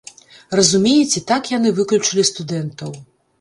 Разумееце, так яны выключылі студэнтаў.